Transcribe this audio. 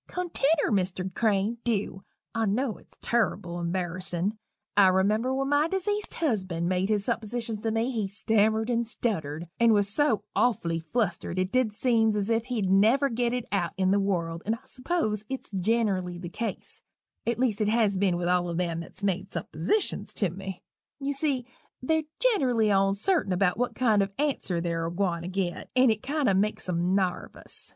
"Continner, Mr. Crane dew I knew it's turrible embarrissin'. I remember when my dezeased husband made his suppositions to me he stammered and stuttered, and was so awfully flustered it did seems as if he'd never git it out in the world, and I s'pose it's ginnerally the case, at least it has been with all them that's made suppositions to me you see they're ginerally oncerting about what kind of an answer they're a gwine to git, and it kind o' makes 'em narvous.